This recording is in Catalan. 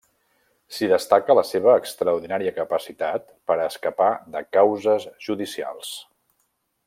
S'hi destaca la seva extraordinària capacitat per a escapar de causes judicials.